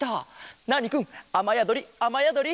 ナーニくんあまやどりあまやどり。